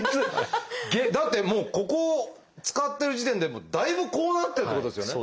だってもうここを使ってる時点でだいぶこうなってるってことですよね。